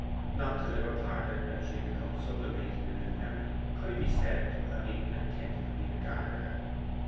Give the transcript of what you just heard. Not till they were parted, and she had become sublimated in his memory, could he be said to have even attentively regarded her.